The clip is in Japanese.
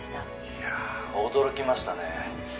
「いやあ驚きましたね」